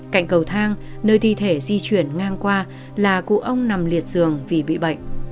cạnh cầu thang nơi thi thể di chuyển ngang qua là cụ ông nằm liệt giường vì bị bệnh